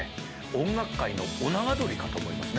音楽界のオナガドリかと思いますね。